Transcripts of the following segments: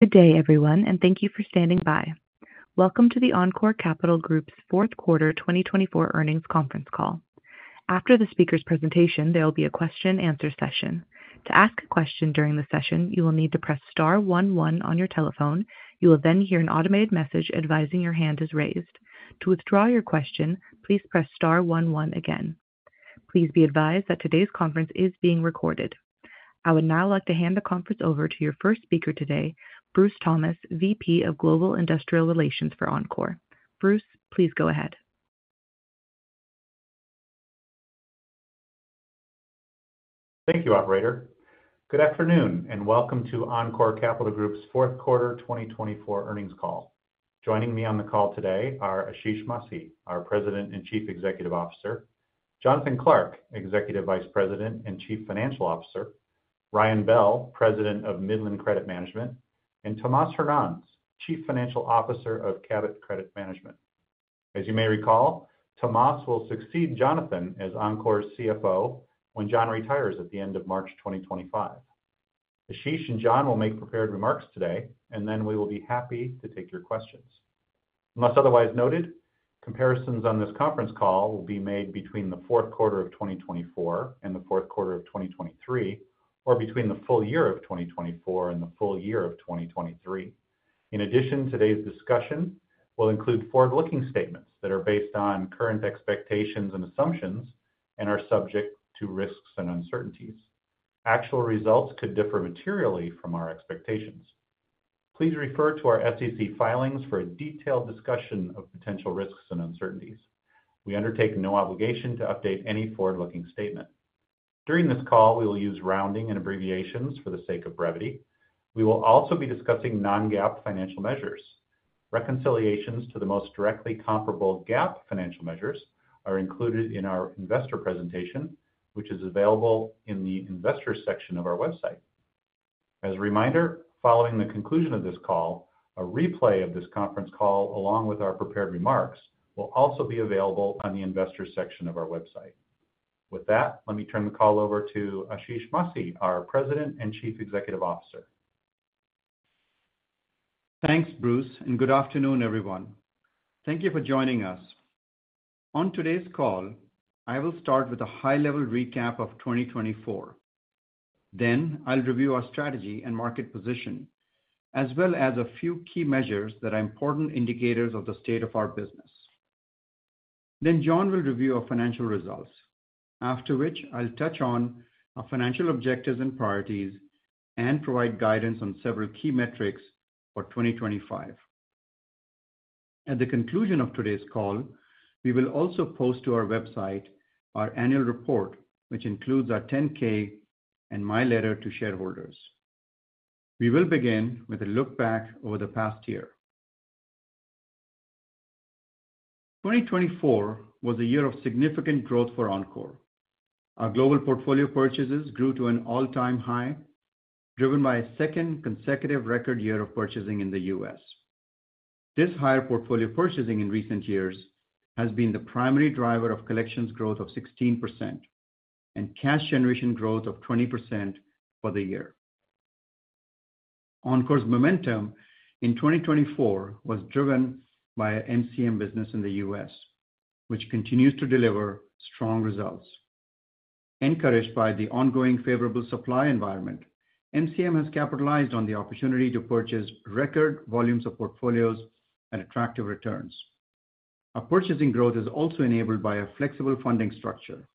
Good day, everyone, and thank you for standing by. Welcome to the Encore Capital Group's fourth quarter 2024 earnings conference call. After the speaker's presentation, there will be a question-and-answer session. To ask a question during the session, you will need to press star one one on your telephone. You will then hear an automated message advising your hand is raised. To withdraw your question, please press star one one again. Please be advised that today's conference is being recorded. I would now like to hand the conference over to your first speaker today, Bruce Thomas, VP of Global Investor Relations for Encore. Bruce, please go ahead. Thank you, Operator. Good afternoon, and welcome to Encore Capital Group's fourth quarter 2024 earnings call. Joining me on the call today are Ashish Masih, our President and Chief Executive Officer, Jonathan Clark, Executive Vice President and Chief Financial Officer, Ryan Bell, President of Midland Credit Management, and Tomas Hernanz, Chief Financial Officer of Cabot Credit Management. As you may recall, Tomas will succeed Jonathan as Encore's CFO when Jon retires at the end of March 2025. Ashish and Jon will make prepared remarks today, and then we will be happy to take your questions. Unless otherwise noted, comparisons on this conference call will be made between the fourth quarter of 2024 and the fourth quarter of 2023, or between the full year of 2024 and the full year of 2023. In addition, today's discussion will include forward-looking statements that are based on current expectations and assumptions and are subject to risks and uncertainties. Actual results could differ materially from our expectations. Please refer to our SEC filings for a detailed discussion of potential risks and uncertainties. We undertake no obligation to update any forward-looking statement. During this call, we will use rounding and abbreviations for the sake of brevity. We will also be discussing non-GAAP financial measures. Reconciliations to the most directly comparable GAAP financial measures are included in our investor presentation, which is available in the investor section of our website. As a reminder, following the conclusion of this call, a replay of this conference call, along with our prepared remarks, will also be available on the investor section of our website. With that, let me turn the call over to Ashish Masih, our President and Chief Executive Officer. Thanks, Bruce, and good afternoon, everyone. Thank you for joining us. On today's call, I will start with a high-level recap of 2024. Then I'll review our strategy and market position, as well as a few key measures that are important indicators of the state of our business. Then Jon will review our financial results, after which I'll touch on our financial objectives and priorities and provide guidance on several key metrics for 2025. At the conclusion of today's call, we will also post to our website our annual report, which includes our 10-K and my letter to shareholders. We will begin with a look back over the past year. 2024 was a year of significant growth for Encore. Our global portfolio purchases grew to an all-time high, driven by a second consecutive record year of purchasing in the U.S. This higher portfolio purchasing in recent years has been the primary driver of collections growth of 16% and cash generation growth of 20% for the year. Encore's momentum in 2024 was driven by MCM business in the U.S., which continues to deliver strong results. Encouraged by the ongoing favorable supply environment, MCM has capitalized on the opportunity to purchase record volumes of portfolios at attractive returns. Our purchasing growth is also enabled by a flexible funding structure,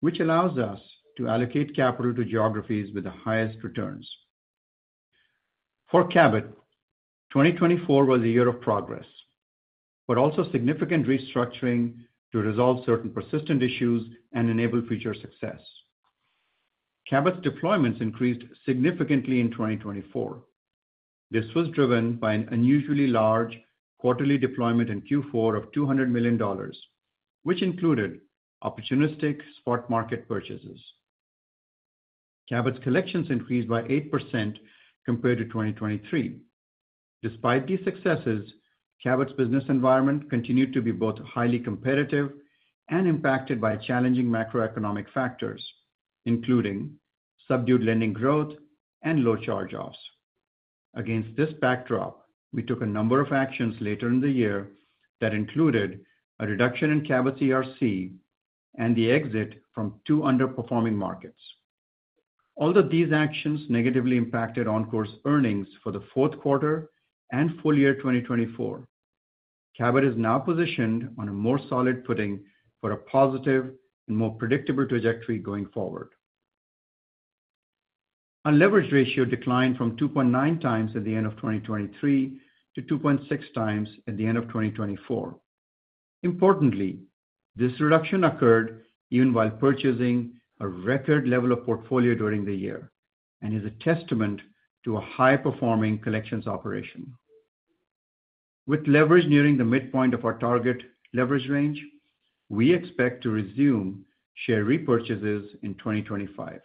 which allows us to allocate capital to geographies with the highest returns. For Cabot, 2024 was a year of progress, but also significant restructuring to resolve certain persistent issues and enable future success. Cabot's deployments increased significantly in 2024. This was driven by an unusually large quarterly deployment in Q4 of $200 million, which included opportunistic spot market purchases. Cabot's collections increased by 8% compared to 2023. Despite these successes, Cabot's business environment continued to be both highly competitive and impacted by challenging macroeconomic factors, including subdued lending growth and low charge-offs. Against this backdrop, we took a number of actions later in the year that included a reduction in Cabot's ERC and the exit from two underperforming markets. Although these actions negatively impacted Encore's earnings for the fourth quarter and full year 2024, Cabot is now positioned on a more solid footing for a positive and more predictable trajectory going forward. Our leverage ratio declined from 2.9x at the end of 2023 to 2.6x at the end of 2024. Importantly, this reduction occurred even while purchasing a record level of portfolio during the year and is a testament to a high-performing collections operation. With leverage nearing the midpoint of our target leverage range, we expect to resume share repurchases in 2025.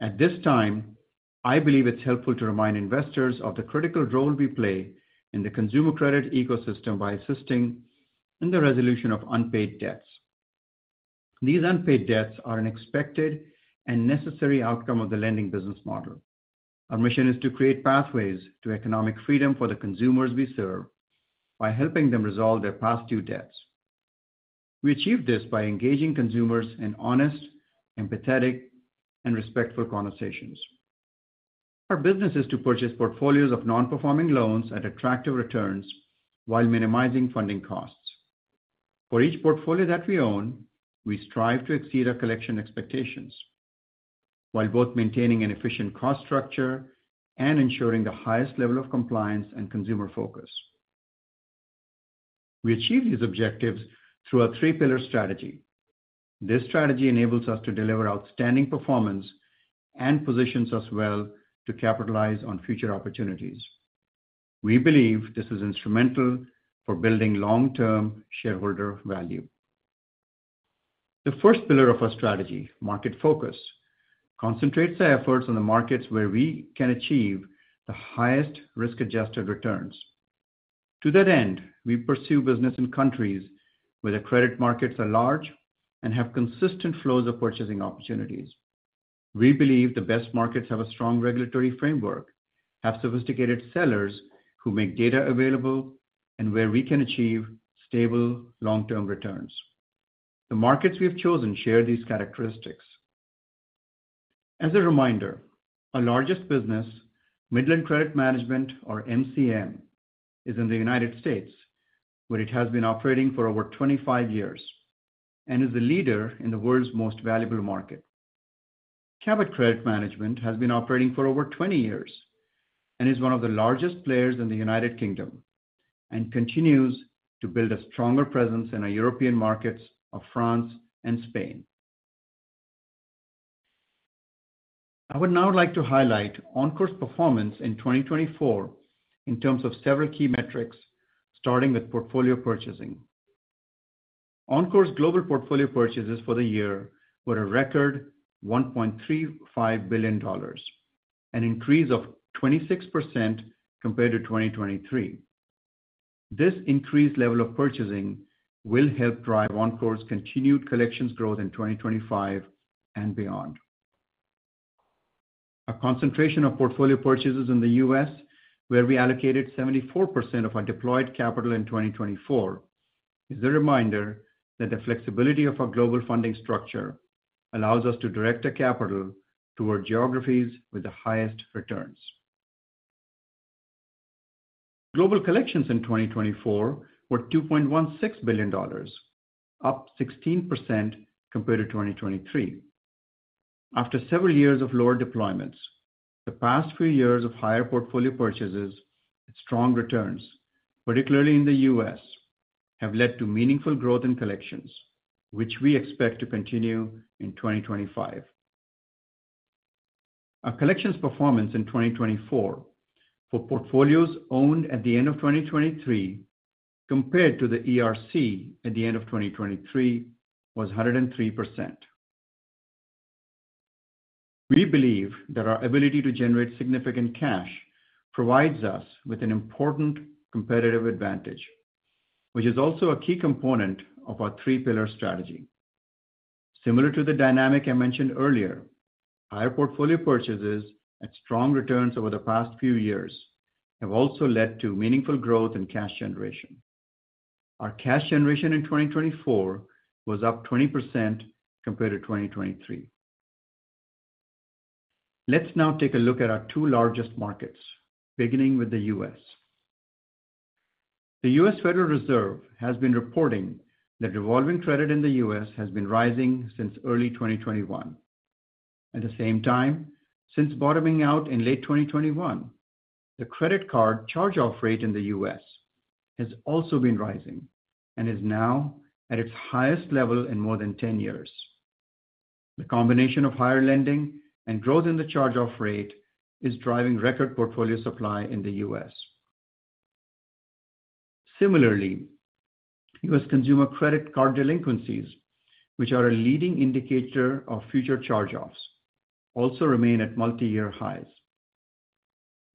At this time, I believe it's helpful to remind investors of the critical role we play in the consumer credit ecosystem by assisting in the resolution of unpaid debts. These unpaid debts are an expected and necessary outcome of the lending business model. Our mission is to create pathways to economic freedom for the consumers we serve by helping them resolve their past due debts. We achieve this by engaging consumers in honest, empathetic, and respectful conversations. Our business is to purchase portfolios of non-performing loans at attractive returns while minimizing funding costs. For each portfolio that we own, we strive to exceed our collection expectations while both maintaining an efficient cost structure and ensuring the highest level of compliance and consumer focus. We achieve these objectives through our three-pillar strategy. This strategy enables us to deliver outstanding performance and positions us well to capitalize on future opportunities. We believe this is instrumental for building long-term shareholder value. The first pillar of our strategy, market focus, concentrates our efforts on the markets where we can achieve the highest risk-adjusted returns. To that end, we pursue business in countries where the credit markets are large and have consistent flows of purchasing opportunities. We believe the best markets have a strong regulatory framework, have sophisticated sellers who make data available, and where we can achieve stable long-term returns. The markets we have chosen share these characteristics. As a reminder, our largest business, Midland Credit Management, or MCM, is in the United States, where it has been operating for over 25 years and is the leader in the world's most valuable market. Cabot Credit Management has been operating for over 20 years and is one of the largest players in the United Kingdom and continues to build a stronger presence in our European markets of France and Spain. I would now like to highlight Encore's performance in 2024 in terms of several key metrics, starting with portfolio purchasing. Encore's global portfolio purchases for the year were a record $1.35 billion, an increase of 26% compared to 2023. This increased level of purchasing will help drive Encore's continued collections growth in 2025 and beyond. Our concentration of portfolio purchases in the U.S., where we allocated 74% of our deployed capital in 2024, is a reminder that the flexibility of our global funding structure allows us to direct our capital toward geographies with the highest returns. Global collections in 2024 were $2.16 billion, up 16% compared to 2023. After several years of lower deployments, the past few years of higher portfolio purchases and strong returns, particularly in the U.S., have led to meaningful growth in collections, which we expect to continue in 2025. Our collections performance in 2024 for portfolios owned at the end of 2023 compared to the ERC at the end of 2023 was 103%. We believe that our ability to generate significant cash provides us with an important competitive advantage, which is also a key component of our three-pillar strategy. Similar to the dynamic I mentioned earlier, higher portfolio purchases and strong returns over the past few years have also led to meaningful growth in cash generation. Our cash generation in 2024 was up 20% compared to 2023. Let's now take a look at our two largest markets, beginning with the U.S. The U.S. Federal Reserve has been reporting that revolving credit in the U.S. has been rising since early 2021. At the same time, since bottoming out in late 2021, the credit card charge-off rate in the U.S. has also been rising and is now at its highest level in more than 10 years. The combination of higher lending and growth in the charge-off rate is driving record portfolio supply in the U.S. Similarly, U.S. consumer credit card delinquencies, which are a leading indicator of future charge-offs, also remain at multi-year highs.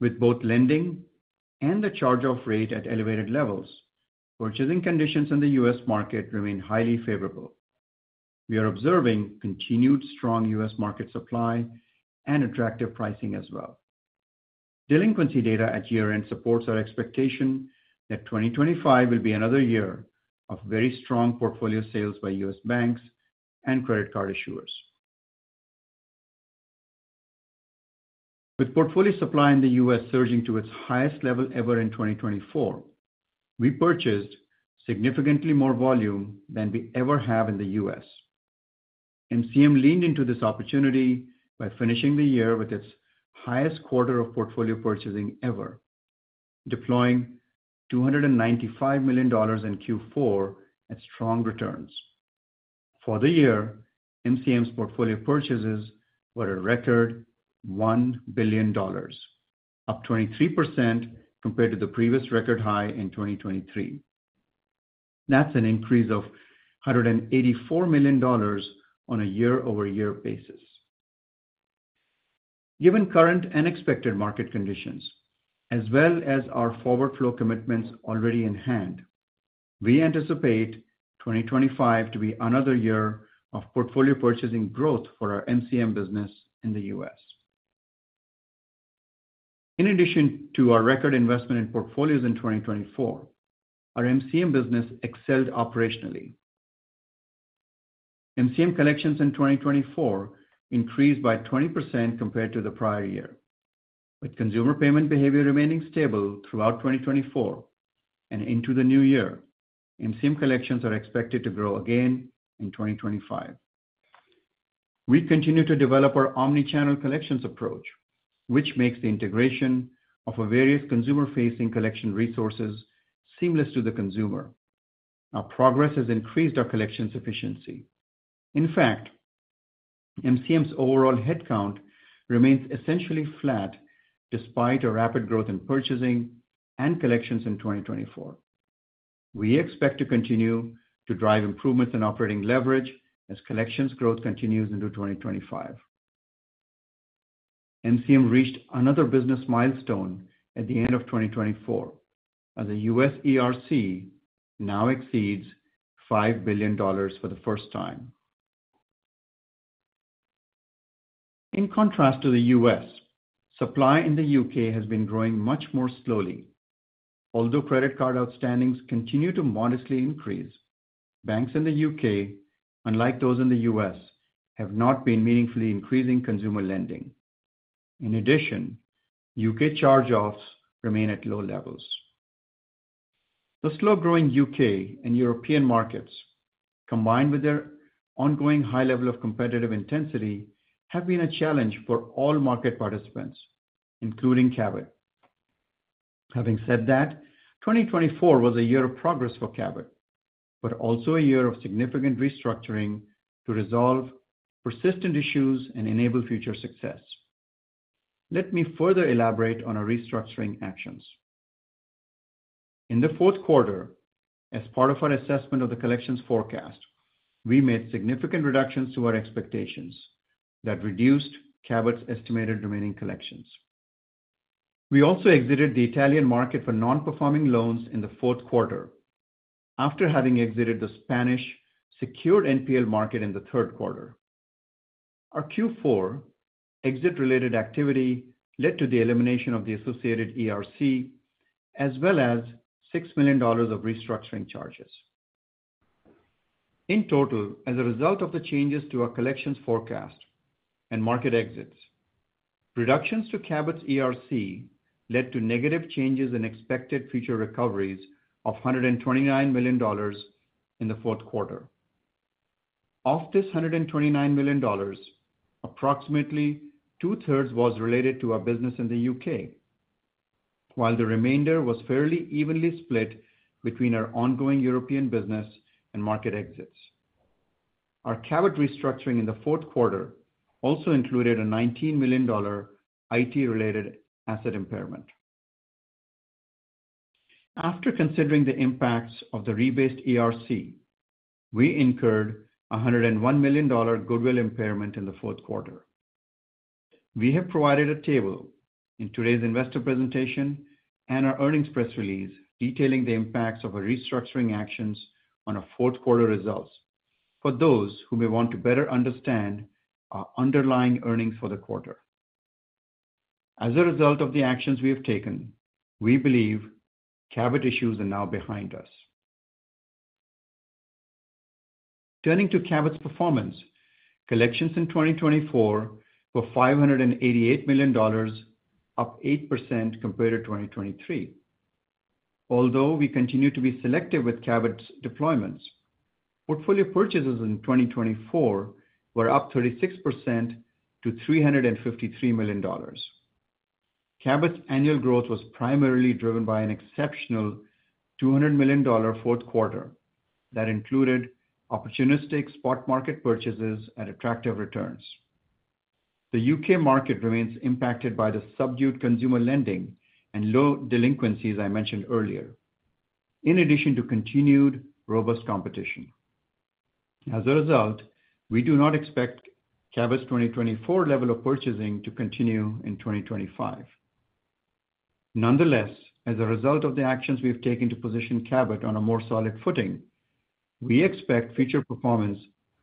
With both lending and the charge-off rate at elevated levels, purchasing conditions in the U.S. market remain highly favorable. We are observing continued strong U.S. market supply and attractive pricing as well. Delinquency data at year-end supports our expectation that 2025 will be another year of very strong portfolio sales by U.S. banks and credit card issuers. With portfolio supply in the U.S. surging to its highest level ever in 2024, we purchased significantly more volume than we ever have in the U.S. MCM leaned into this opportunity by finishing the year with its highest quarter of portfolio purchasing ever, deploying $295 million in Q4 at strong returns. For the year, MCM's portfolio purchases were a record $1 billion, up 23% compared to the previous record high in 2023. That's an increase of $184 million on a year-over-year basis. Given current unexpected market conditions, as well as our forward flow commitments already in hand, we anticipate 2025 to be another year of portfolio purchasing growth for our MCM business in the U.S. In addition to our record investment in portfolios in 2024, our MCM business excelled operationally. MCM collections in 2024 increased by 20% compared to the prior year. With consumer payment behavior remaining stable throughout 2024 and into the new year, MCM collections are expected to grow again in 2025. We continue to develop our omnichannel collections approach, which makes the integration of our various consumer-facing collection resources seamless to the consumer. Our progress has increased our collections efficiency. In fact, MCM's overall headcount remains essentially flat despite our rapid growth in purchasing and collections in 2024. We expect to continue to drive improvements in operating leverage as collections growth continues into 2025. MCM reached another business milestone at the end of 2024 as a U.S. ERC now exceeds $5 billion for the first time. In contrast to the U.S., supply in the U.K. has been growing much more slowly. Although credit card outstandings continue to modestly increase, banks in the U.K., unlike those in the U.S., have not been meaningfully increasing consumer lending. In addition, U.K. charge-offs remain at low levels. The slow-growing U.K. and European markets, combined with their ongoing high level of competitive intensity, have been a challenge for all market participants, including Cabot. Having said that, 2024 was a year of progress for Cabot, but also a year of significant restructuring to resolve persistent issues and enable future success. Let me further elaborate on our restructuring actions. In the fourth quarter, as part of our assessment of the collections forecast, we made significant reductions to our expectations that reduced Cabot's estimated remaining collections. We also exited the Italian market for non-performing loans in the fourth quarter after having exited the Spanish secured NPL market in the third quarter. Our Q4 exit-related activity led to the elimination of the associated ERC, as well as $6 million of restructuring charges. In total, as a result of the changes to our collections forecast and market exits, reductions to Cabot's ERC led to negative changes in expected future recoveries of $129 million in the fourth quarter. Of this $129 million, approximately two-thirds was related to our business in the U.K., while the remainder was fairly evenly split between our ongoing European business and market exits. Our Cabot restructuring in the fourth quarter also included a $19 million IT-related asset impairment. After considering the impacts of the rebased ERC, we incurred a $101 million goodwill impairment in the fourth quarter. We have provided a table in today's investor presentation and our earnings press release detailing the impacts of our restructuring actions on our fourth quarter results for those who may want to better understand our underlying earnings for the quarter. As a result of the actions we have taken, we believe Cabot issues are now behind us. Turning to Cabot's performance, collections in 2024 were $588 million, up 8% compared to 2023. Although we continue to be selective with Cabot's deployments, portfolio purchases in 2024 were up 36% to $353 million. Cabot's annual growth was primarily driven by an exceptional $200 million fourth quarter that included opportunistic spot market purchases at attractive returns. The U.K. market remains impacted by the subdued consumer lending and low delinquencies I mentioned earlier, in addition to continued robust competition. As a result, we do not expect Cabot's 2024 level of purchasing to continue in 2025. Nonetheless, as a result of the actions we have taken to position Cabot on a more solid footing, we expect future performance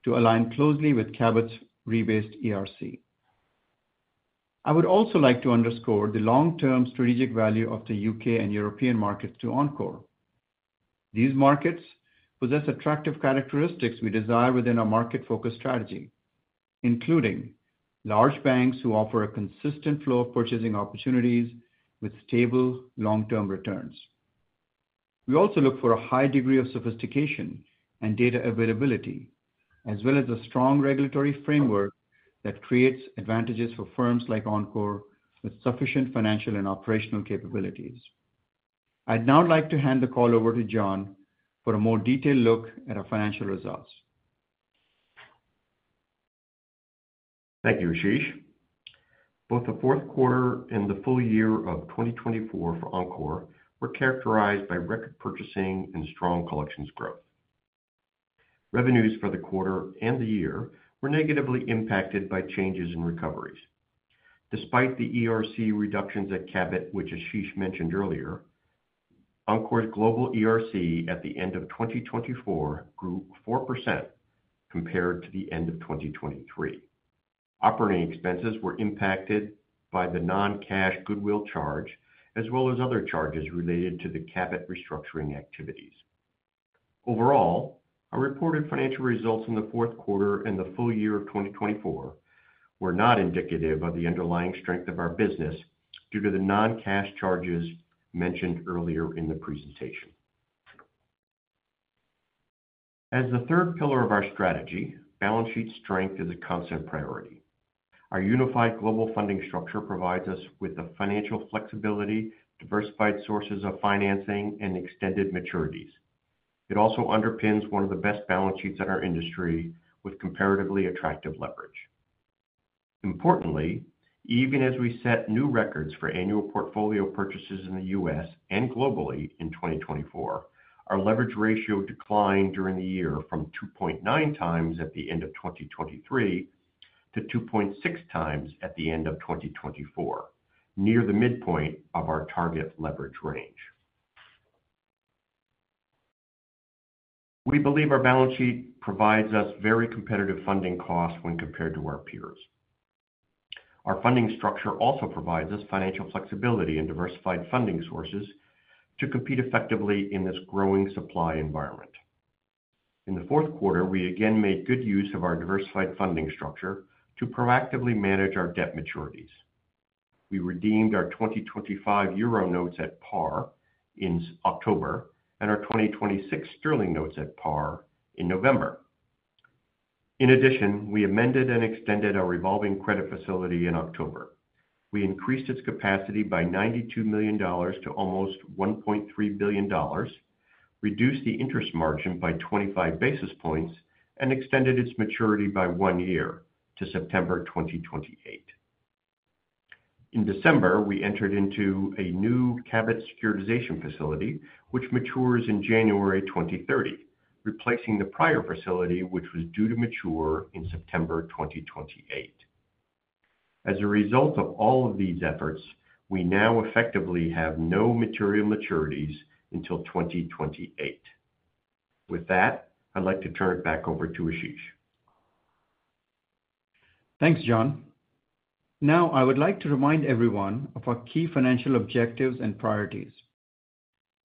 to align closely with Cabot's rebased ERC. I would also like to underscore the long-term strategic value of the U.K. and European markets to Encore. These markets possess attractive characteristics we desire within our market-focused strategy, including large banks who offer a consistent flow of purchasing opportunities with stable long-term returns. We also look for a high degree of sophistication and data availability, as well as a strong regulatory framework that creates advantages for firms like Encore with sufficient financial and operational capabilities. I'd now like to hand the call over to Jon for a more detailed look at our financial results. Thank you, Ashish. Both the fourth quarter and the full year of 2024 for Encore were characterized by record purchasing and strong collections growth. Revenues for the quarter and the year were negatively impacted by changes in recoveries. Despite the ERC reductions at Cabot, which Ashish mentioned earlier, Encore's global ERC at the end of 2024 grew 4% compared to the end of 2023. Operating expenses were impacted by the non-cash goodwill charge, as well as other charges related to the Cabot restructuring activities. Overall, our reported financial results in the fourth quarter and the full year of 2024 were not indicative of the underlying strength of our business due to the non-cash charges mentioned earlier in the presentation. As the third pillar of our strategy, balance sheet strength is a constant priority. Our unified global funding structure provides us with the financial flexibility, diversified sources of financing, and extended maturities. It also underpins one of the best balance sheets in our industry with comparatively attractive leverage. Importantly, even as we set new records for annual portfolio purchases in the U.S. and globally in 2024, our leverage ratio declined during the year from 2.9x at the end of 2023 to 2.6x at the end of 2024, near the midpoint of our target leverage range. We believe our balance sheet provides us very competitive funding costs when compared to our peers. Our funding structure also provides us financial flexibility and diversified funding sources to compete effectively in this growing supply environment. In the fourth quarter, we again made good use of our diversified funding structure to proactively manage our debt maturities. We redeemed our 2025 euro notes at par in October and our 2026 sterling notes at par in November. In addition, we amended and extended our revolving credit facility in October. We increased its capacity by $92 million to almost $1.3 billion, reduced the interest margin by 25 basis points, and extended its maturity by one year to September 2028. In December, we entered into a new Cabot securitization facility, which matures in January 2030, replacing the prior facility which was due to mature in September 2028. As a result of all of these efforts, we now effectively have no material maturities until 2028. With that, I'd like to turn it back over to Ashish. Thanks, Jon. Now, I would like to remind everyone of our key financial objectives and priorities.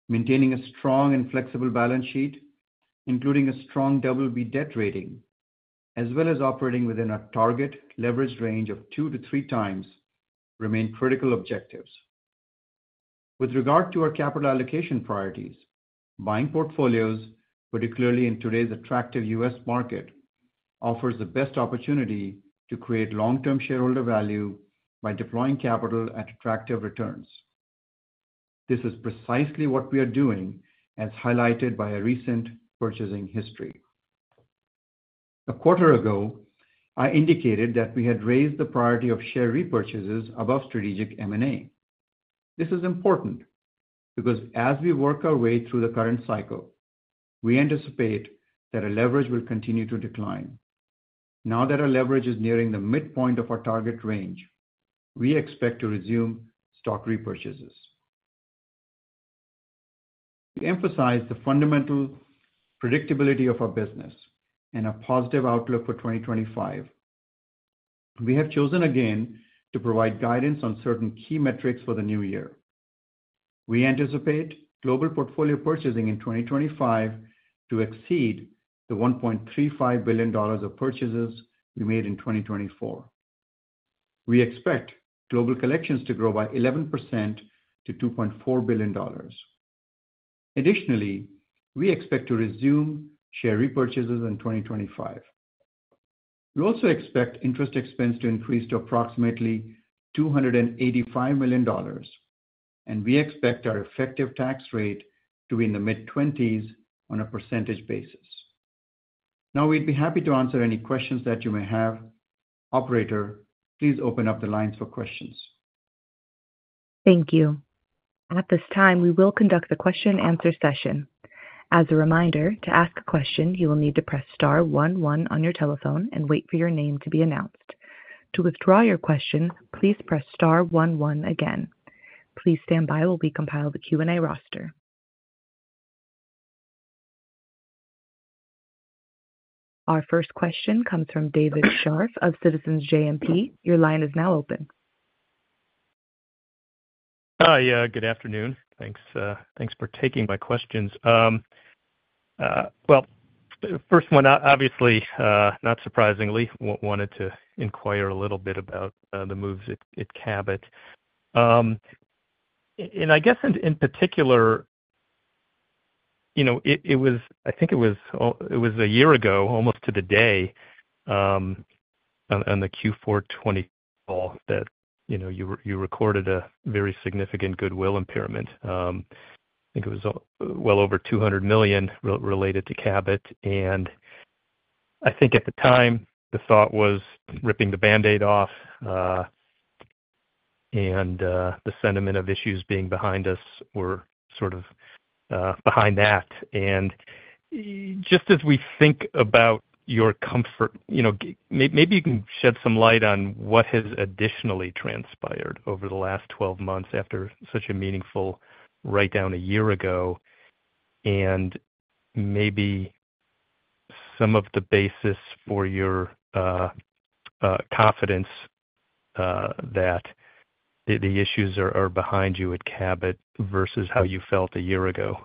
Maintaining a strong and flexible balance sheet, including a strong BB debt rating, as well as operating within our target leverage range of 2x-3x, remain critical objectives. With regard to our capital allocation priorities, buying portfolios, particularly in today's attractive U.S. market, offers the best opportunity to create long-term shareholder value by deploying capital at attractive returns. This is precisely what we are doing, as highlighted by our recent purchasing history. A quarter ago, I indicated that we had raised the priority of share repurchases above strategic M&A. This is important because, as we work our way through the current cycle, we anticipate that our leverage will continue to decline. Now that our leverage is nearing the midpoint of our target range, we expect to resume stock repurchases. To emphasize the fundamental predictability of our business and our positive outlook for 2025, we have chosen again to provide guidance on certain key metrics for the new year. We anticipate global portfolio purchasing in 2025 to exceed the $1.35 billion of purchases we made in 2024. We expect global collections to grow by 11% to $2.4 billion. Additionally, we expect to resume share repurchases in 2025. We also expect interest expense to increase to approximately $285 million, and we expect our effective tax rate to be in the mid-20s% on a basis. Now, we'd be happy to answer any questions that you may have. Operator, please open up the lines for questions. Thank you. At this time, we will conduct the question-and-answer session. As a reminder, to ask a question, you will need to press star one one on your telephone and wait for your name to be announced. To withdraw your question, please press star one one again. Please stand by while we compile the Q&A roster. Our first question comes from David Scharf of Citizens JMP. Your line is now open. Hi, good afternoon. Thanks for taking my questions. Well, first one, obviously, not surprisingly, wanted to inquire a little bit about the moves at Cabot. And I guess, in particular, I think it was a year ago, almost to the day, on the Q4 2024 call that you recorded a very significant goodwill impairment. I think it was well over $200 million related to Cabot. And I think at the time, the thought was ripping the Band-Aid off, and the sentiment of issues being behind us were sort of behind that. And just as we think about your comfort, maybe you can shed some light on what has additionally transpired over the last 12 months after such a meaningful write-down a year ago, and maybe some of the basis for your confidence that the issues are behind you at Cabot versus how you felt a year ago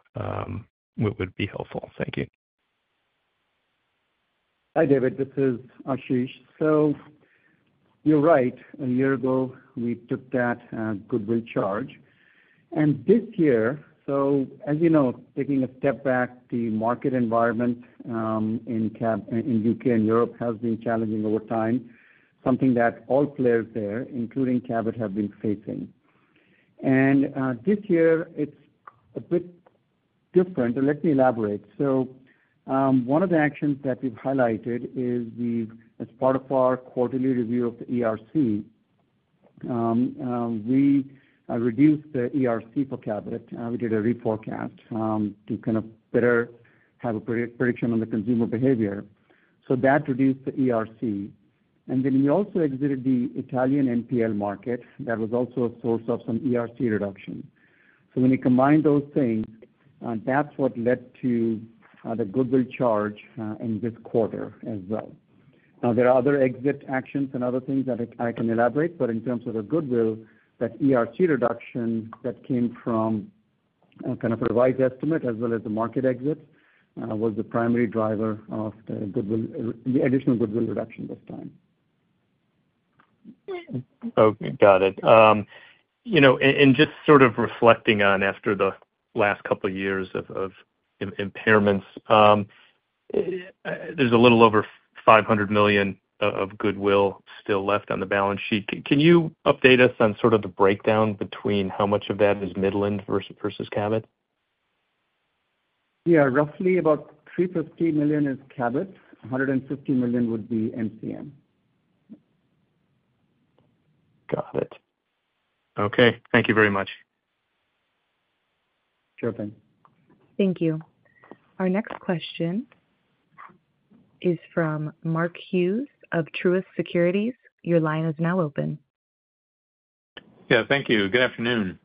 would be helpful. Thank you. Hi, David. This is Ashish. So you're right. A year ago, we took that goodwill charge. And this year, so as you know, taking a step back, the market environment in the U.K. and Europe has been challenging over time, something that all players there, including Cabot, have been facing. And this year, it's a bit different. Let me elaborate. So one of the actions that we've highlighted is, as part of our quarterly review of the ERC, we reduced the ERC for Cabot. We did a reforecast to kind of better have a prediction on the consumer behavior. So that reduced the ERC. And then we also exited the Italian NPL market that was also a source of some ERC reduction. So when you combine those things, that's what led to the goodwill charge in this quarter as well. Now, there are other exit actions and other things that I can elaborate, but in terms of the goodwill, that ERC reduction that came from kind of a revised estimate as well as the market exits was the primary driver of the additional goodwill reduction this time. Okay. Got it. And just sort of reflecting on after the last couple of years of impairments, there's a little over $500 million of goodwill still left on the balance sheet. Can you update us on sort of the breakdown between how much of that is Midland versus Cabot? Yeah. Roughly about $350 million is Cabot. $150 million would be MCM. Got it. Okay. Thank you very much. Sure thing. Thank you. Our next question is from Mark Hughes of Truist Securities. Your line is now open. Yeah. Thank you. Good afternoon.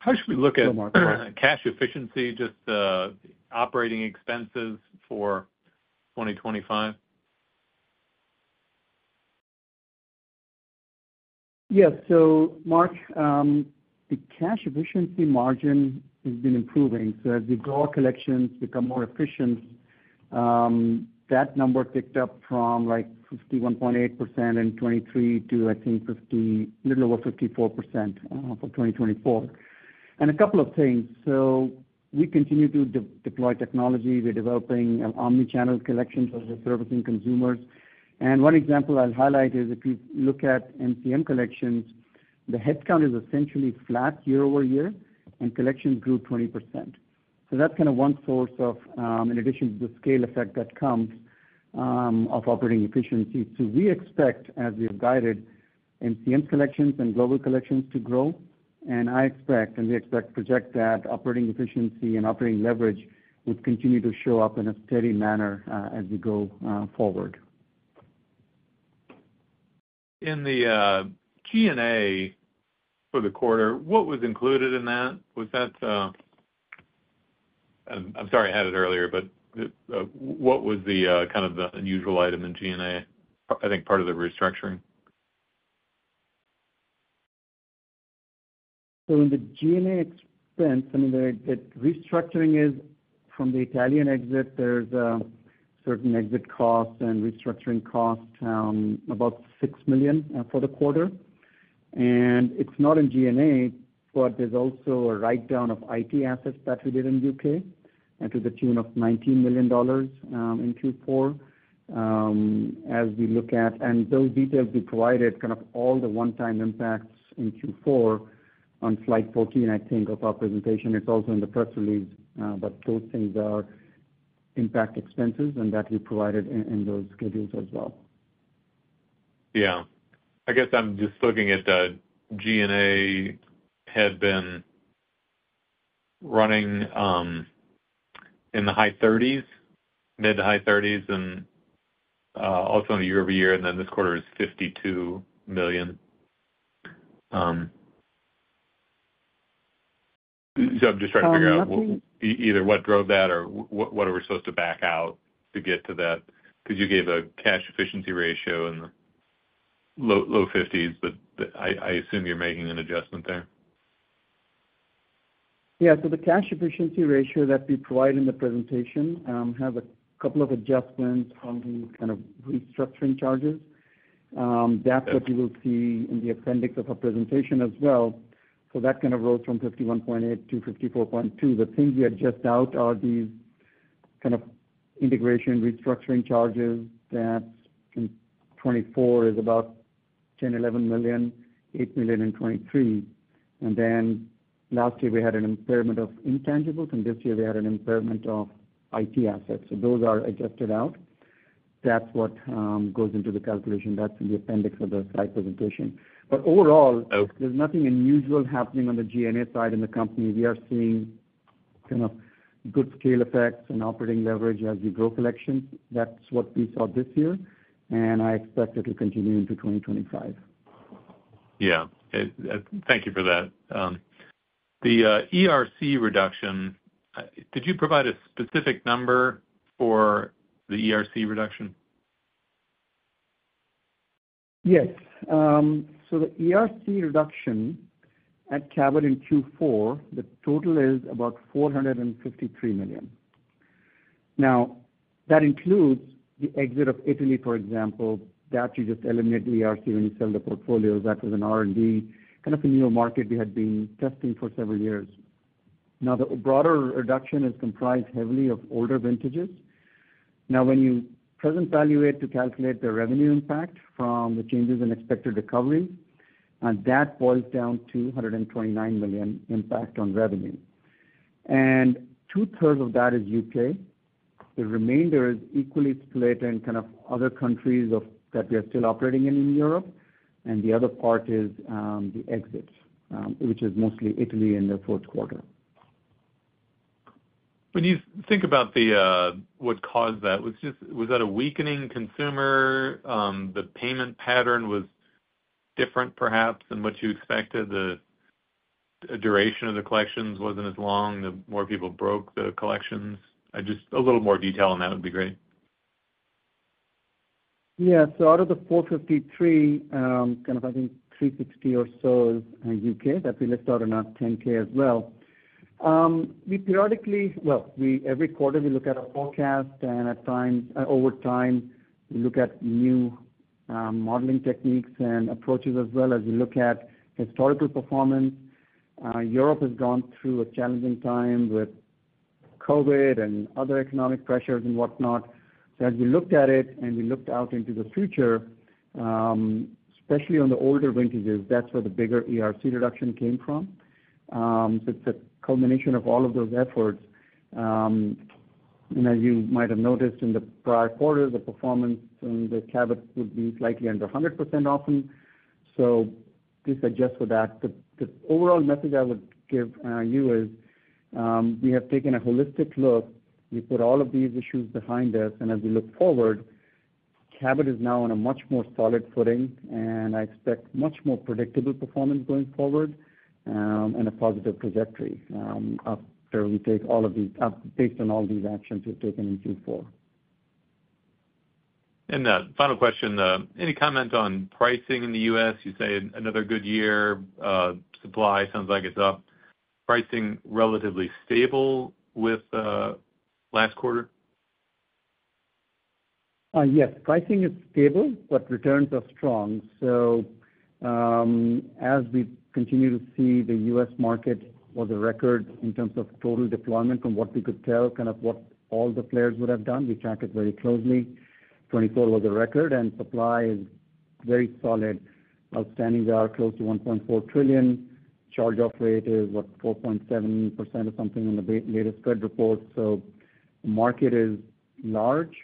How should we look at cash efficiency, just operating expenses for 2025? Yes. So Mark, the cash efficiency margin has been improving. So as we draw collections, become more efficient, that number picked up from like 51.8% in 2023 to, I think, a little over 54% for 2024. And a couple of things. So we continue to deploy technology. We're developing omnichannel collections as we're servicing consumers. And one example I'll highlight is if you look at MCM collections, the headcount is essentially flat year-over-year, and collections grew 20%. So that's kind of one source of, in addition to the scale effect that comes of operating efficiency. So we expect, as we have guided, MCM collections and global collections to grow. And I expect, and we expect to project that operating efficiency and operating leverage would continue to show up in a steady manner as we go forward. In the G&A for the quarter, what was included in that? I'm sorry I had it earlier, but what was kind of the unusual item in G&A, I think, part of the restructuring? So in the G&A expense, I mean, the restructuring is from the Italian exit. There's certain exit costs and restructuring costs, about $6 million for the quarter. And it's not in G&A, but there's also a write-down of IT assets that we did in the U.K. to the tune of $19 million in Q4. As we look at, and those details we provided, kind of all the one-time impacts in Q4 on slide 14, I think, of our presentation. It's also in the press release, but those things are impact expenses, and that we provided in those schedules as well. Yeah. I guess I'm just looking at the G&A had been running in the high 30s, mid- to high 30s, and also year-over-year, and then this quarter is $52 million. So I'm just trying to figure out either what drove that or what are we supposed to back out to get to that? Because you gave a cash efficiency ratio in the low 50s, but I assume you're making an adjustment there. Yeah. So the cash efficiency ratio that we provide in the presentation has a couple of adjustments on these kind of restructuring charges. That's what you will see in the appendix of our presentation as well. So that kind of rose from $51.8 million-$54.2 million. The things we adjust out are these kind of integration restructuring charges that in 2024 is about $10 million, $8 million, and $23 million. Then last year, we had an impairment of intangibles, and this year, we had an impairment of IT assets. So those are adjusted out. That's what goes into the calculation. That's in the appendix of the slide presentation. But overall, there's nothing unusual happening on the G&A side in the company. We are seeing kind of good scale effects and operating leverage as we grow collections. That's what we saw this year, and I expect it will continue into 2025. Yeah. Thank you for that. The ERC reduction, did you provide a specific number for the ERC reduction? Yes. So the ERC reduction at Cabot in Q4, the total is about $453 million. Now, that includes the exit of Italy, for example, that you just eliminated the ERC when you sell the portfolios. That was an R&D kind of a new market we had been testing for several years. Now, the broader reduction is comprised heavily of older vintages. Now, when you present value it to calculate the revenue impact from the changes in expected recovery, that boils down to $129 million impact on revenue. And two-thirds of that is U.K. The remainder is equally split in kind of other countries that we are still operating in Europe. And the other part is the exits, which is mostly Italy in the fourth quarter. When you think about what caused that, was that a weakening consumer? The payment pattern was different, perhaps, than what you expected. The duration of the collections wasn't as long. The more people broke the collections. Just a little more detail on that would be great. Yeah. So out of the 453, kind of, I think, 360 or so is U.K. that we list out in our 10-K as well. Every quarter, we look at a forecast, and over time, we look at new modeling techniques and approaches as well as we look at historical performance. Europe has gone through a challenging time with COVID and other economic pressures and whatnot. As we looked at it and we looked out into the future, especially on the older vintages, that's where the bigger ERC reduction came from. It's a culmination of all of those efforts. As you might have noticed in the prior quarters, the performance on the Cabot would be slightly under 100% often. This adjusts with that. The overall message I would give you is we have taken a holistic look. We put all of these issues behind us, and as we look forward, Cabot is now on a much more solid footing, and I expect much more predictable performance going forward and a positive trajectory after we take all of these based on all these actions we've taken in Q4. And final question, any comment on pricing in the U.S.? You say another good year. Supply sounds like it's up. Pricing relatively stable with last quarter? Yes. Pricing is stable, but returns are strong. So as we continue to see the US market was a record in terms of total deployment from what we could tell kind of what all the players would have done. We track it very closely. 2024 was a record, and supply is very solid. Outstandings are close to $1.4 trillion. Charge-off rate is, what, 4.7% or something in the latest Fed report. So the market is large.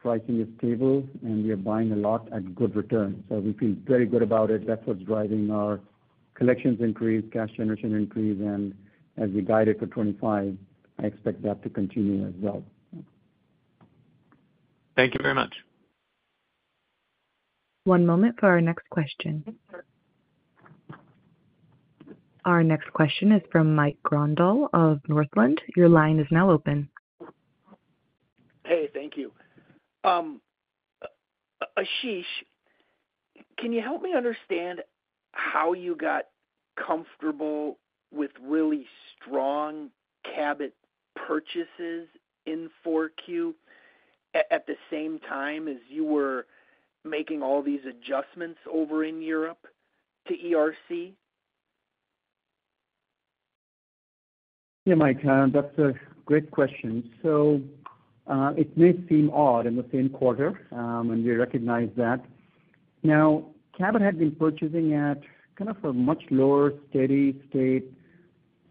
Pricing is stable, and we are buying a lot at good return. So we feel very good about it. That's what's driving our collections increase, cash generation increase, and as we guide it for 2025, I expect that to continue as well. Thank you very much. One moment for our next question. Our next question is from Mike Grondahl of Northland. Your line is now open. Hey, thank you. Ashish, can you help me understand how you got comfortable with really strong Cabot purchases in 4Q at the same time as you were making all these adjustments over in Europe to ERC? Yeah, Mike, that's a great question. So it may seem odd in the same quarter, and we recognize that. Now, Cabot had been purchasing at kind of a much lower steady state,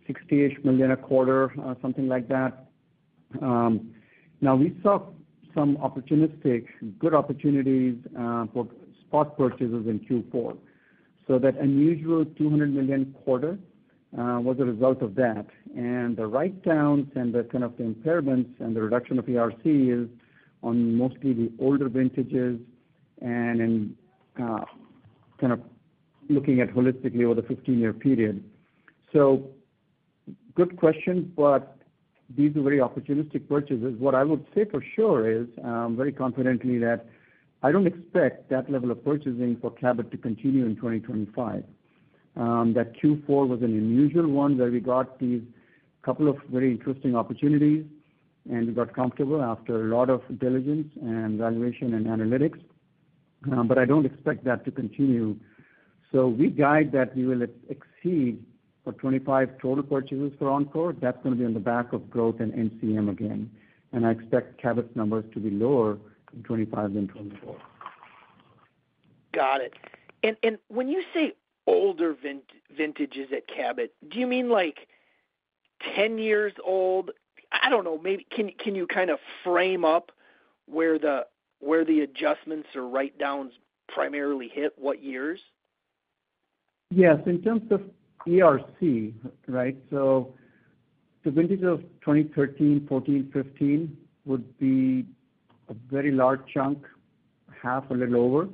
$60 million a quarter, something like that. Now, we saw some opportunistic, good opportunities for spot purchases in Q4. So that unusual $200 million quarter was a result of that. And the write-downs and the kind of impairments and the reduction of ERC is on mostly the older vintages and in kind of looking at holistically over the 15-year period. So good question, but these are very opportunistic purchases. What I would say for sure is, very confidently, that I don't expect that level of purchasing for Cabot to continue in 2025. That Q4 was an unusual one where we got these couple of very interesting opportunities, and we got comfortable after a lot of diligence and valuation and analytics. But I don't expect that to continue. So we guide that we will exceed for 2025 total purchases for Encore. That's going to be on the back of growth and MCM again. And I expect Cabot's numbers to be lower in 2025 than 2024. Got it. And when you say older vintages at Cabot, do you mean like 10 years old? I don't know. Can you kind of frame up where the adjustments or write-downs primarily hit? What years? Yes. In terms of ERC, right? So the vintages of 2013, 2014, 2015 would be a very large chunk, half or a little over.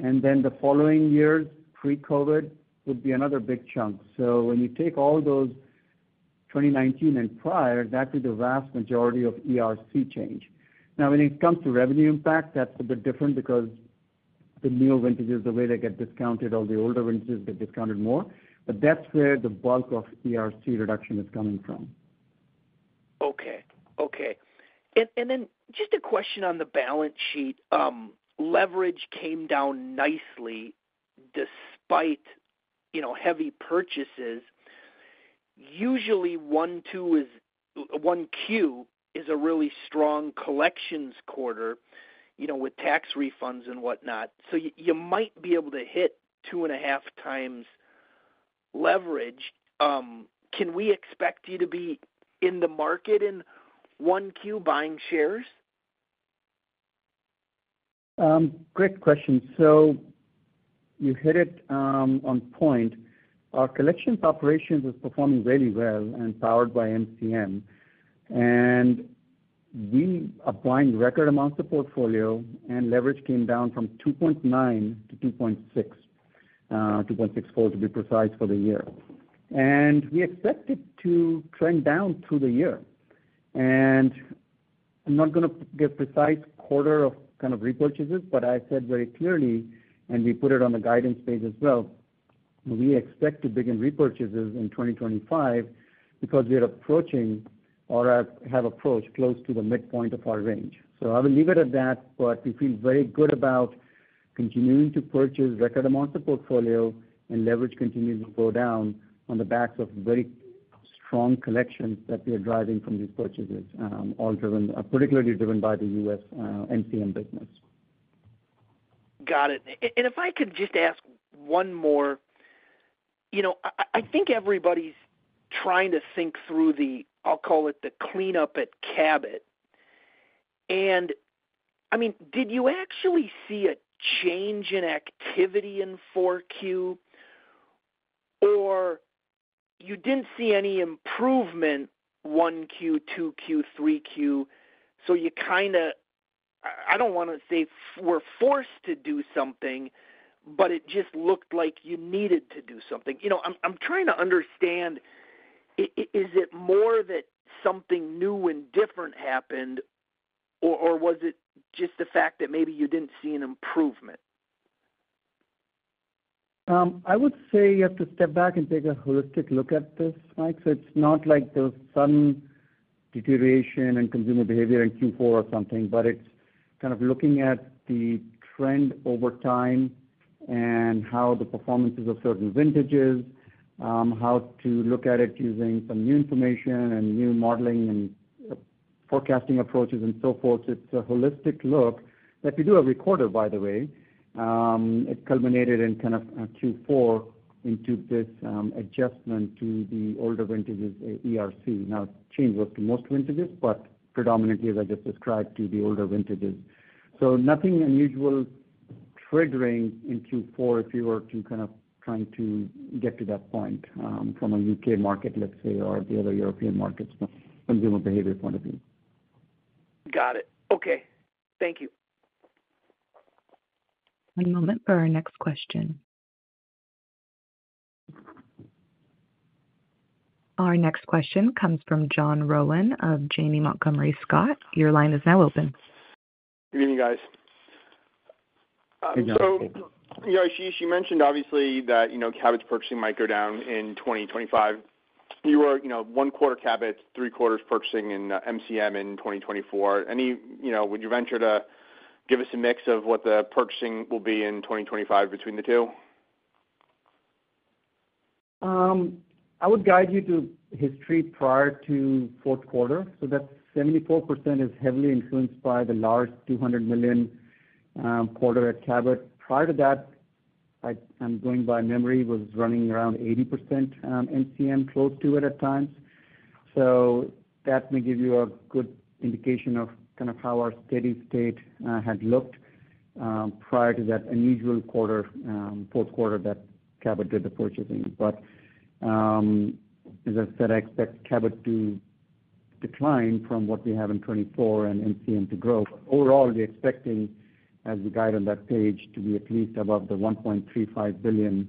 And then the following years, pre-COVID, would be another big chunk. So when you take all those 2019 and prior, that's where the vast majority of ERC change. Now, when it comes to revenue impact, that's a bit different because the newer vintages, the way they get discounted, all the older vintages, they're discounted more. But that's where the bulk of ERC reduction is coming from. Okay. Okay. And then just a question on the balance sheet. Leverage came down nicely despite heavy purchases. Usually, 1Q is a really strong collections quarter with tax refunds and whatnot. So you might be able to hit two and a half times leverage. Can we expect you to be in the market in 1Q buying shares? Great question. So you hit it on point. Our collections operation is performing really well and powered by MCM. And we are buying record amounts of portfolio, and leverage came down from 2.9-2.6, 2.64 to be precise for the year. And we expect it to trend down through the year. And I'm not going to give precise quarter of kind of repurchases, but I said very clearly, and we put it on the guidance page as well, we expect to begin repurchases in 2025 because we are approaching or have approached close to the midpoint of our range. So I will leave it at that, but we feel very good about continuing to purchase record amounts of portfolio and leverage continues to go down on the backs of very strong collections that we are driving from these purchases, all driven, particularly driven by the U.S. MCM business. Got it. And if I could just ask one more, I think everybody's trying to think through the, I'll call it the cleanup at Cabot. And I mean, did you actually see a change in activity in 4Q, or you didn't see any improvement 1Q, 2Q, 3Q? So you kind of, I don't want to say we're forced to do something, but it just looked like you needed to do something. I'm trying to understand, is it more that something new and different happened, or was it just the fact that maybe you didn't see an improvement? I would say you have to step back and take a holistic look at this, Mike. So it's not like there's some deterioration in consumer behavior in Q4 or something, but it's kind of looking at the trend over time and how the performance is of certain vintages, how to look at it using some new information and new modeling and forecasting approaches and so forth. It's a holistic look that we do every quarter, by the way. It culminated in kind of Q4 into this adjustment to the older vintages ERC. Now, change was to most vintages, but predominantly, as I just described, to the older vintages. So nothing unusual triggering in Q4 if you were to kind of trying to get to that point from a U.K. market, let's say, or the other European markets from a consumer behavior point of view. Got it. Okay. Thank you. One moment for our next question. Our next question comes from Jon Rowan of Janney Montgomery Scott. Your line is now open. Good evening, guys. So Ashish, you mentioned obviously that Cabot's purchasing might go down in 2025. You were one quarter Cabot, three quarters purchasing in MCM in 2024. Would you venture to give us a mix of what the purchasing will be in 2025 between the two? I would guide you to history prior to fourth quarter. So that 74% is heavily influenced by the large $200 million quarter at Cabot. Prior to that, I'm going by memory, was running around 80% MCM, close to it at times. So that may give you a good indication of kind of how our steady state had looked prior to that unusual quarter, fourth quarter that Cabot did the purchasing. But as I said, I expect Cabot to decline from what we have in 2024 and MCM to grow. Overall, we're expecting, as we guide on that page, to be at least above the $1.35 billion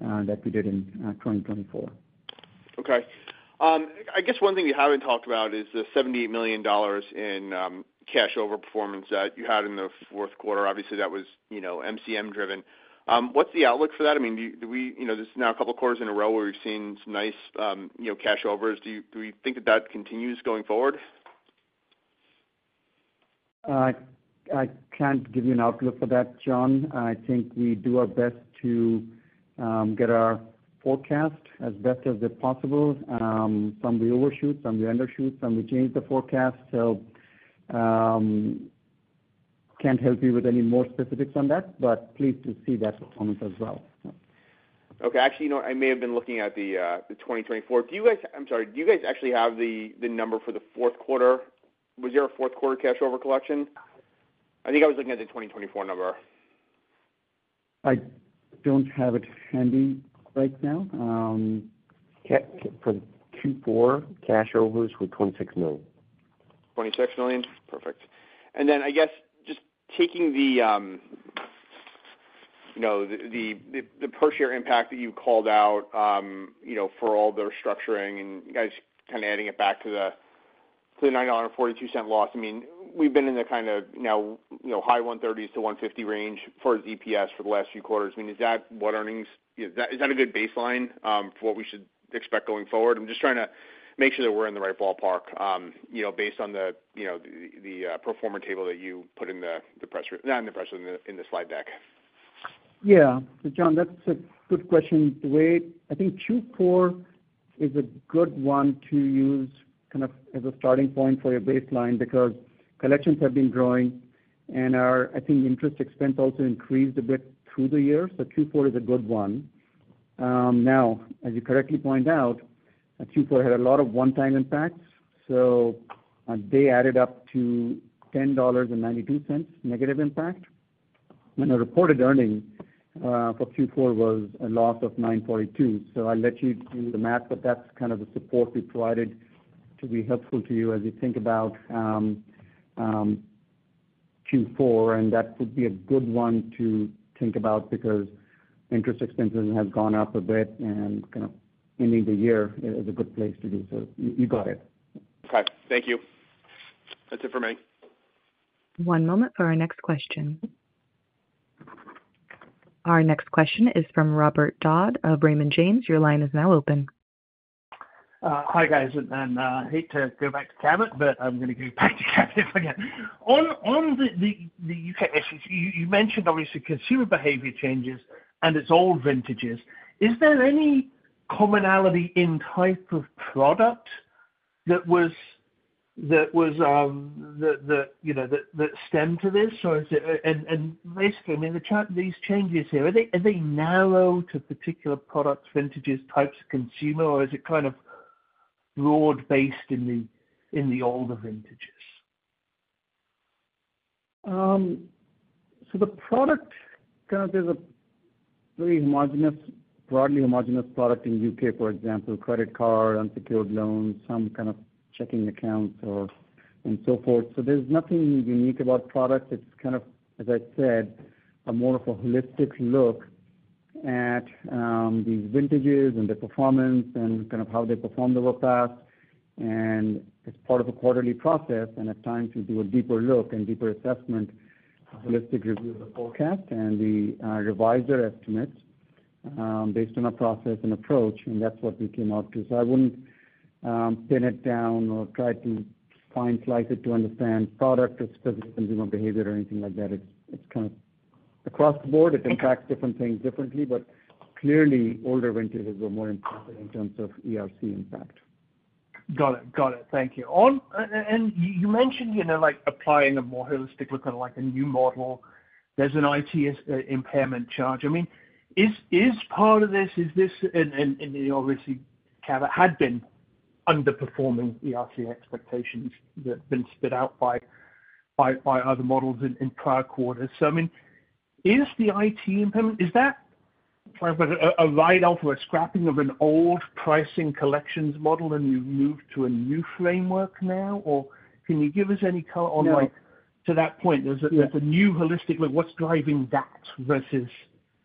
that we did in 2024. Okay. I guess one thing we haven't talked about is the $78 million in cash over performance that you had in the fourth quarter. Obviously, that was MCM-driven. What's the outlook for that? I mean, this is now a couple of quarters in a row where we've seen some nice cash overs. Do we think that that continues going forward? I can't give you an outlook for that, John. I think we do our best to get our forecast as best as possible. Some we overshoot, some we undershoot, some we change the forecast. So I can't help you with any more specifics on that, but pleased to see that performance as well. Okay. Actually, I may have been looking at the 2024. Do you guys, I'm sorry. Do you guys actually have the number for the fourth quarter? Was there a fourth quarter cash over collection? I think I was looking at the 2024 number. I don't have it handy right now. For Q4, cash overs were $26 million. $26 million. Perfect. And then I guess just taking the per-share impact that you called out for all the restructuring and you guys kind of adding it back to the $9.42 loss, I mean, we've been in the kind of now high 130s-150 range for EPS for the last few quarters. I mean, is that what earnings—is that a good baseline for what we should expect going forward? I'm just trying to make sure that we're in the right ballpark based on the performance table that you put in the presentation, not in the presentation, in the slide deck. Yeah. So John, that's a good question. I think Q4 is a good one to use kind of as a starting point for your baseline because collections have been growing, and I think interest expense also increased a bit through the year. So Q4 is a good one. Now, as you correctly point out, Q4 had a lot of one-time impacts. So they added up to $10.92 negative impact. And the reported earnings for Q4 was a loss of $9.42. So I'll let you do the math, but that's kind of the support we provided to be helpful to you as you think about Q4. And that would be a good one to think about because interest expenses have gone up a bit, and kind of ending the year is a good place to do so. You got it. Okay. Thank you. That's it for me. One moment for our next question. Our next question is from Robert Dodd of Raymond James. Your line is now open. Hi guys. And I hate to go back to Cabot, but I'm going to go back to Cabot if I can. On the U.K., Ashish, you mentioned obviously consumer behavior changes and it's old vintages. Is there any commonality in type of product that stemmed from this? And basically, I mean, these changes here, are they narrow to particular products, vintages, types of consumer, or is it kind of broad-based in the older vintages? The product kind of is a very homogeneous, broadly homogeneous product in the U.K., for example, credit card, unsecured loans, some kind of checking accounts, and so forth. There's nothing unique about products. It's kind of, as I said, more of a holistic look at these vintages and their performance and kind of how they performed over the past. It's part of a quarterly process. At times, we do a deeper look and deeper assessment, a holistic review of the forecast, and we revise our estimates based on our process and approach. That's what we came out to. I wouldn't pin it down or try to fine-slice it to understand product or specific consumer behavior or anything like that. It's kind of across the board. It impacts different things differently, but clearly, older vintages were more important in terms of ERC impact. Got it. Got it. Thank you, and you mentioned applying a more holistic look on a new model. There's an IT impairment charge. I mean, is part of this, is this, and obviously, Cabot had been underperforming ERC expectations that have been spit out by other models in prior quarters, so I mean, is the IT impairment, is that a write-off or a scrapping of an old pricing collections model and you've moved to a new framework now? Or can you give us any color on to that point? There's a new holistic look. What's driving that versus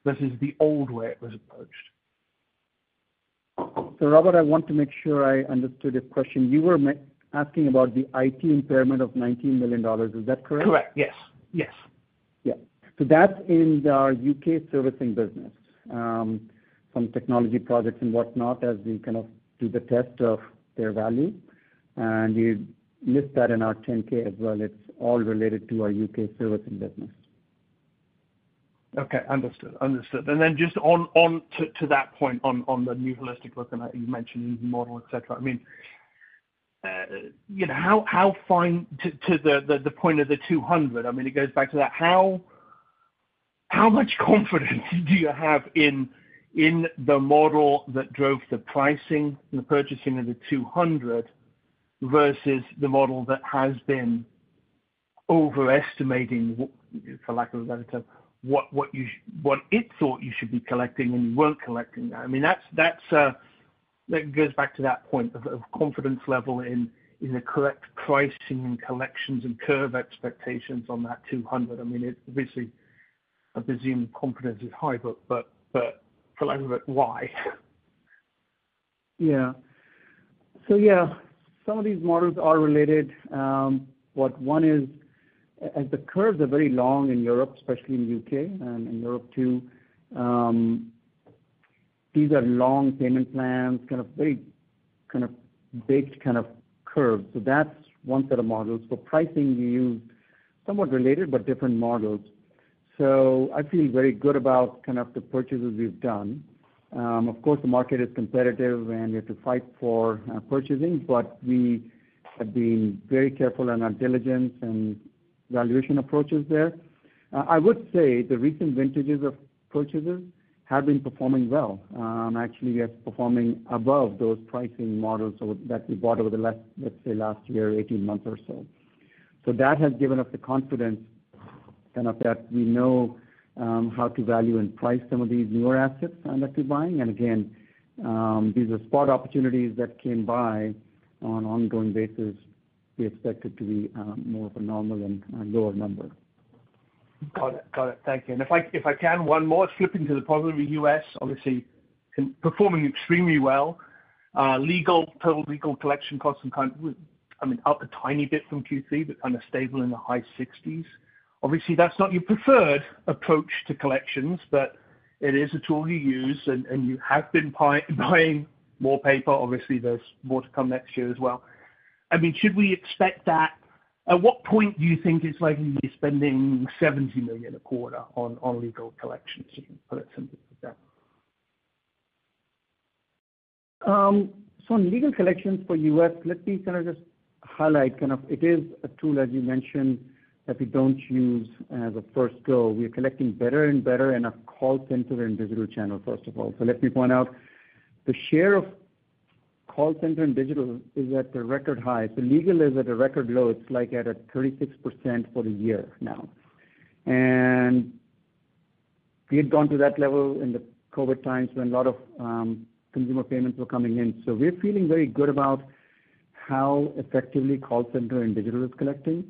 the old way it was approached? So Robert, I want to make sure I understood your question. You were asking about the IT impairment of $19 million. Is that correct? Correct. Yes. Yes. Yeah. So that's in our U.K. servicing business, some technology projects and whatnot as we kind of do the test of their value. And we list that in our 10-K as well. It's all related to our U.K. servicing business. Okay. Understood. Understood. And then just on to that point, on the new holistic look and you mentioned the new model, etc., I mean, how fine to the point of the 200? I mean, it goes back to that. How much confidence do you have in the model that drove the pricing and the purchasing of the 200 versus the model that has been overestimating, for lack of a better term, what it thought you should be collecting and you weren't collecting that? I mean, that goes back to that point of confidence level in the correct pricing and collections and curve expectations on that 200. I mean, obviously, I presume confidence is high, but for lack of a better term, why? Yeah. So yeah, some of these models are related. What one is, as the curves are very long in Europe, especially in the U.K. and in Europe too, these are long payment plans, kind of big kind of curves. So that's one set of models. For pricing, we use somewhat related but different models. So I feel very good about kind of the purchases we've done. Of course, the market is competitive and we have to fight for purchasing, but we have been very careful in our diligence and valuation approaches there. I would say the recent vintages of purchases have been performing well. Actually, we are performing above those pricing models that we bought over the last, let's say, last year, 18 months or so. So that has given us the confidence kind of that we know how to value and price some of these newer assets that we're buying. And again, these are spot opportunities that came by on an ongoing basis. We expected to be more of a normal and lower number. Got it. Got it. Thank you. And if I can, one more, flipping to the point of the U.S., obviously performing extremely well. Total legal collection costs have gone, I mean, up a tiny bit from Q3, but kind of stable in the high 60s. Obviously, that's not your preferred approach to collections, but it is a tool you use, and you have been buying more paper. Obviously, there's more to come next year as well. I mean, should we expect that? At what point do you think it's likely you're spending $70 million a quarter on legal collections? You can put it simply like that. So on legal collections for U.S., let me kind of just highlight it is a tool, as you mentioned, that we don't use as a first go. We are collecting better and better in our call center and digital channel, first of all. So let me point out the share of call center and digital is at the record high. So legal is at a record low. It's like at a 36% for the year now. And we had gone to that level in the COVID times when a lot of consumer payments were coming in. So we're feeling very good about how effectively call center and digital is collecting.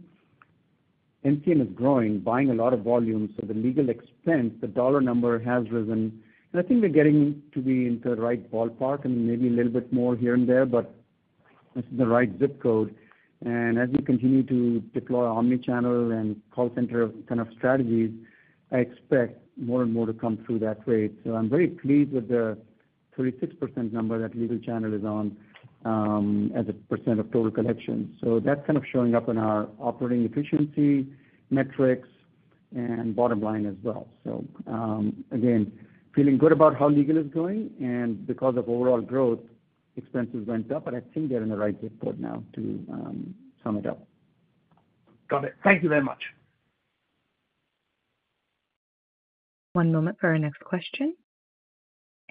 MCM is growing, buying a lot of volume. So the legal expense, the dollar number has risen. I think we're getting to be in the right ballpark and maybe a little bit more here and there, but it's the right zip code. As we continue to deploy omnichannel and call center kind of strategies, I expect more and more to come through that way. I'm very pleased with the 36% number that legal channel is on as a percent of total collections. That's kind of showing up in our operating efficiency metrics and bottom line as well. Again, feeling good about how legal is going. Because of overall growth, expenses went up, but I think they're in the right zip code now to sum it up. Got it. Thank you very much. One moment for our next question.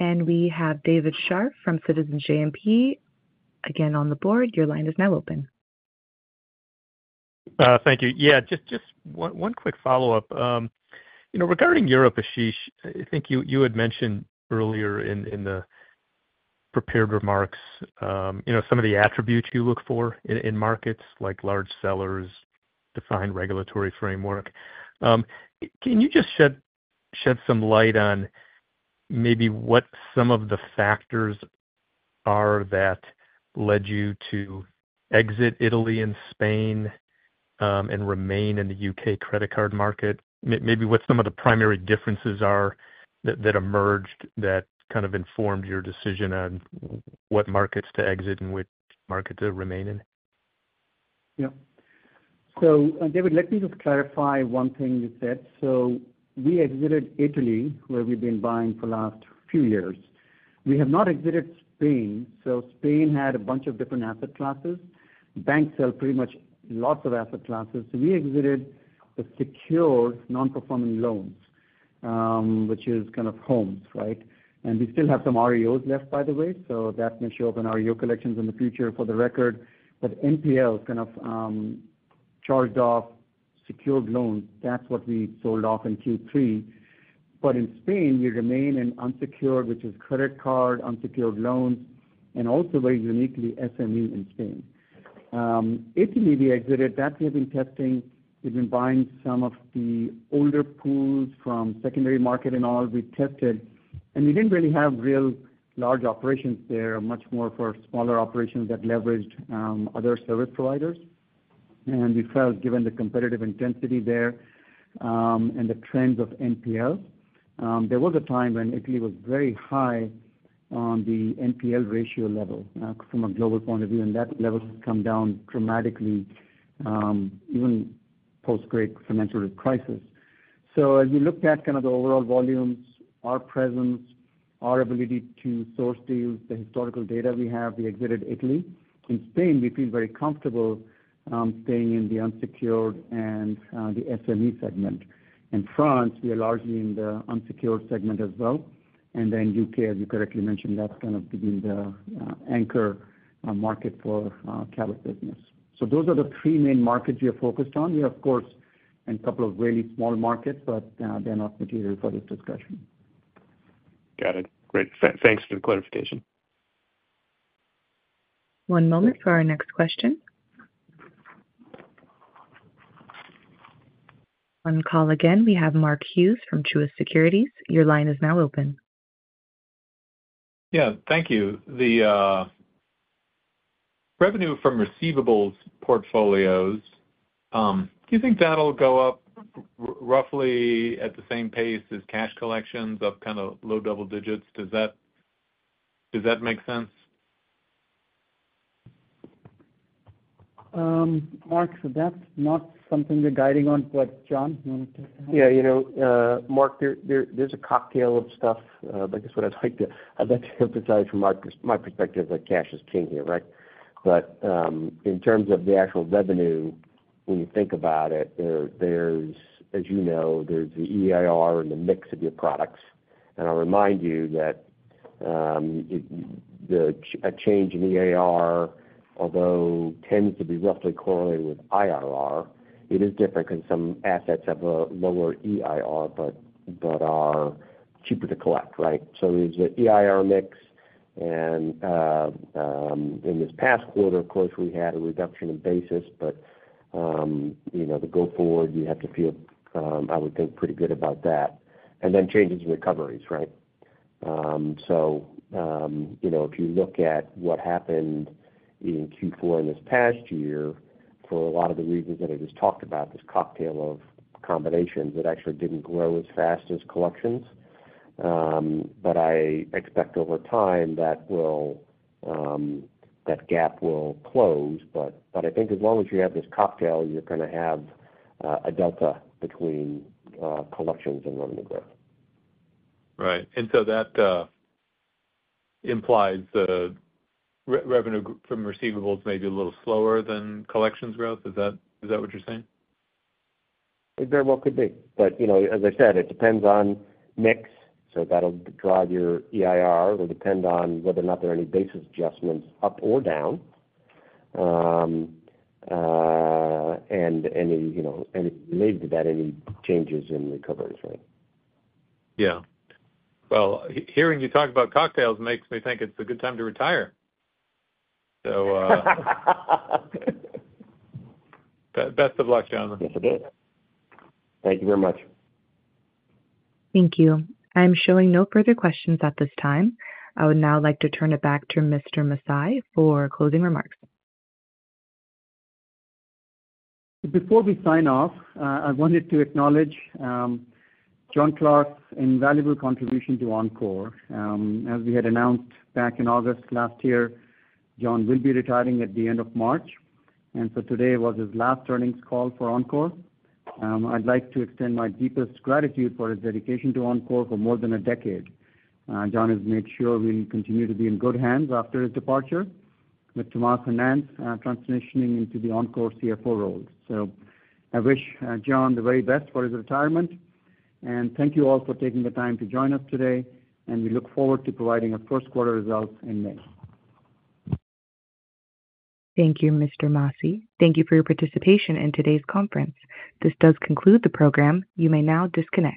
We have David Scharf from Citizens JMP. Again, on the board, your line is now open. Thank you. Yeah. Just one quick follow-up. Regarding Europe, Ashish, I think you had mentioned earlier in the prepared remarks some of the attributes you look for in markets like large sellers, defined regulatory framework. Can you just shed some light on maybe what some of the factors are that led you to exit Italy and Spain and remain in the U.K. credit card market? Maybe what some of the primary differences are that emerged that kind of informed your decision on what markets to exit and which market to remain in? Yeah. So David, let me just clarify one thing you said. So we exited Italy, where we've been buying for the last few years. We have not exited Spain. So Spain had a bunch of different asset classes. Banks sell pretty much lots of asset classes. So we exited the secured non-performing loans, which is kind of homes, right? And we still have some REOs left, by the way. So that may show up in REO collections in the future for the record. But NPLs kind of charged off secured loans. That's what we sold off in Q3. But in Spain, we remain in unsecured, which is credit card, unsecured loans, and also very uniquely SME in Spain. Italy, we exited. That we have been testing. We've been buying some of the older pools from secondary market and all. We tested. And we didn't really have real large operations there, much more for smaller operations that leveraged other service providers. And we felt, given the competitive intensity there and the trends of NPLs, there was a time when Italy was very high on the NPL ratio level from a global point of view. And that level has come down dramatically, even post-Great Financial Crisis. As we looked at kind of the overall volumes, our presence, our ability to source deals, the historical data we have, we exited Italy. In Spain, we feel very comfortable staying in the unsecured and the SME segment. In France, we are largely in the unsecured segment as well. And then U.K., as you correctly mentioned, that's kind of been the anchor market for Cabot business. So those are the three main markets we are focused on. We are, of course, in a couple of really small markets, but they're not material for this discussion. Got it. Great. Thanks for the clarification. One moment for our next question. On call again, we have Mark Hughes from Truist Securities. Your line is now open. Yeah. Thank you. The revenue from receivables portfolios, do you think that'll go up roughly at the same pace as cash collections of kind of low double digits? Does that make sense? Mark, so that's not something we're guiding on, but John, you want to take that? Yeah. Mark, there's a cocktail of stuff. I guess what I'd like to emphasize from my perspective is that cash is king here, right? But in terms of the actual revenue, when you think about it, as you know, there's the EIR and the mix of your products. And I'll remind you that a change in EIR, although tends to be roughly correlated with IRR, it is different because some assets have a lower EIR but are cheaper to collect, right? So there's the EIR mix. In this past quarter, of course, we had a reduction in basis, but the go-forward, you have to feel, I would think, pretty good about that. And then changes in recoveries, right? So if you look at what happened in Q4 in this past year for a lot of the reasons that I just talked about, this cocktail of combinations that actually didn't grow as fast as collections. But I expect over time that gap will close. But I think as long as you have this cocktail, you're going to have a delta between collections and revenue growth. Right. And so that implies the revenue from receivables may be a little slower than collections growth. Is that what you're saying? It very well could be. But as I said, it depends on mix. So that'll drive your EIR. It'll depend on whether or not there are any basis adjustments up or down. And related to that, any changes in recoveries, right? Yeah. Well, hearing you talk about cocktails makes me think it's a good time to retire. So best of luck, Jon. Yes, it is. Thank you very much. Thank you. I'm showing no further questions at this time. I would now like to turn it back to Mr. Masih for closing remarks. Before we sign off, I wanted to acknowledge Jon Clark's invaluable contribution to Encore. As we had announced back in August last year, Jon will be retiring at the end of March. And so today was his last earnings call for Encore. I'd like to extend my deepest gratitude for his dedication to Encore for more than a decade. John has made sure we'll continue to be in good hands after his departure, with Tomas Hernanz transitioning into the Encore CFO role, so I wish John the very best for his retirement, and thank you all for taking the time to join us today, and we look forward to providing our first quarter results in May. Thank you, Mr. Masih. Thank you for your participation in today's conference. This does conclude the program. You may now disconnect.